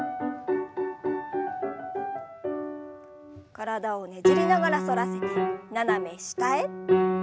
体をねじりながら反らせて斜め下へ。